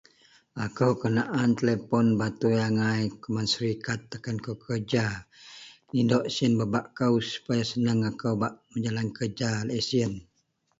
akou kenaan telepon batui agai keman Syarikat takan kou kerja, idok siyen babak kou supaya senang akou bak mejalan kerja laie siyen